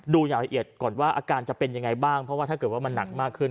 อย่างละเอียดก่อนว่าอาการจะเป็นยังไงบ้างเพราะว่าถ้าเกิดว่ามันหนักมากขึ้น